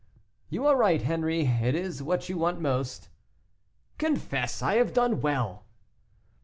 "You are right, Henri; it is what you want most." "Confess I have done well."